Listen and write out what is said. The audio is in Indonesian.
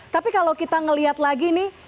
tapi kalau kita melihat lagi nih